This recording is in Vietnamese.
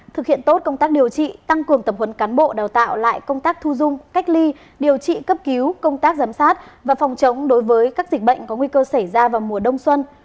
thực hiện tốt công tác điều trị tăng cường tập huấn cán bộ đào tạo lại công tác thu dung cách ly điều trị cấp cứu công tác giám sát và phòng chống đối với các dịch bệnh có nguy cơ xảy ra vào mùa đông xuân